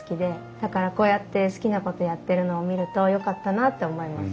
だからこうやって好きなことやってるのを見るとよかったなって思います。